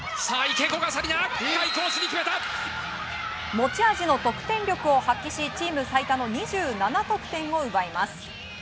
持ち味の得点力を発揮しチーム最多の２７得点を奪います。